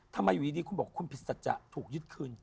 ทำไมอยู่ดีคุณบอกคุณผิดสัจจะถูกยึดคืน